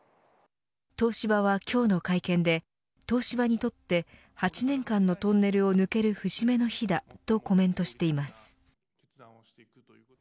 東芝は今日の会見で東芝にとって８年間のトンネルを抜ける節目の日だとコメントしています。